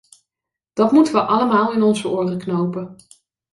Dat moeten we allemaal in onze oren knopen.